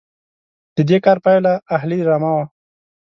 د دې کار پایله اهلي رمه وه.